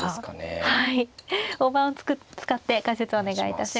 大盤を使って解説をお願いいたします。